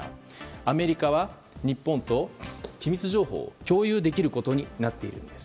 アメリカは日本と機密情報を共有できることになっているんです。